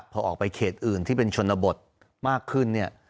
พอออกไปเขตอื่นที่เป็นชนบทมากขึ้นเนี่ย